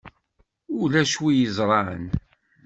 Ulac win i yeẓṛan.